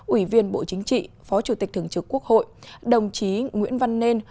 ủy viên bộ chính trị phó chủ tịch thường trực quốc hội đồng chí nguyễn văn nên